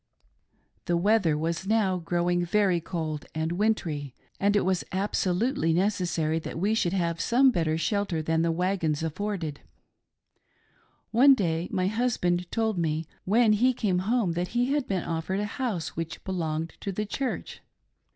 The weather was now growing very cold and wintry, and it A CHEERFUL HOUSE FOR WINTER TIME f 243 was absolutely necessary that we should have some better shelter than the wagons afforded. One day my husband told me, when he came home, that he had been offered a house which belonged to the Church.